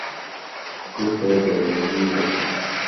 Kur pēdējais dzīvais?